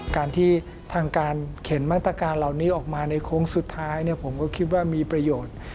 การที่ทางการเข็นมาตรการเหล่านี้ออกมาในโค้งสุดท้ายผมก็คิดว่ามีประโยชน์